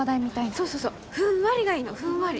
そうそうそうふんわりがいいのふんわり。